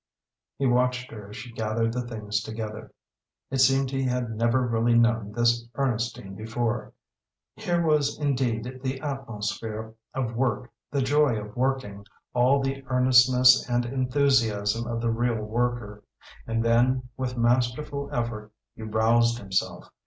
He watched her as she gathered the things together. It seemed he had never really known this Ernestine before. Here was indeed the atmosphere of work, the joy of working, all the earnestness and enthusiasm of the real worker. And then, with masterful effort, he roused himself.